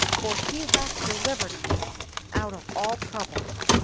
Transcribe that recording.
Vw lie hath delivered me out of all trotible.''